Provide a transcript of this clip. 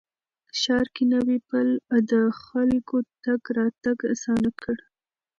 ښار کې نوی پل د خلکو تګ راتګ اسانه کړ